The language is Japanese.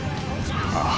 ああ。